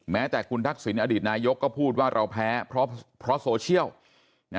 แม้แต่คุณทักษิณอดีตนายกก็พูดว่าเราแพ้เพราะโซเชียล